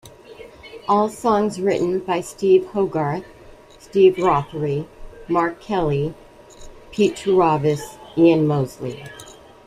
All songs written by Steve Hogarth, Steve Rothery, Mark Kelly, Pete Trewavas, Ian Mosley.